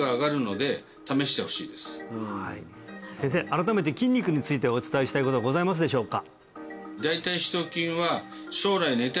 改めて筋肉についてお伝えしたいことございますでしょうか？